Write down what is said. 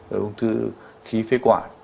rồi ung thư khí phế quản